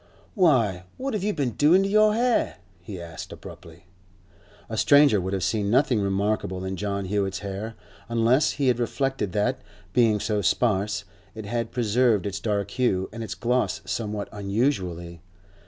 'Why, what have you been doing to your hair?' he asked abruptly. A stranger would have seen nothing remarkable in John Hewett's hair, unless he had reflected that, being so sparse, it had preserved its dark hue and its gloss somewhat unusually.